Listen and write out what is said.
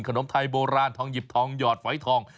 ขนมไทยโบราณทองหยิบทองหยอดฝอยทอง